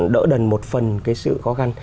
đỡ đần một phần sự khó khăn